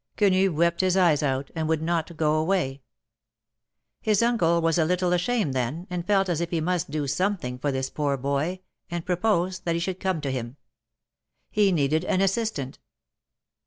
Quenu wept his eyes out, and would not go away. His uncle was a little ashamed then, and felt as if he must do something for this poor boy, and proposed that he should come to him; he needed an assistant.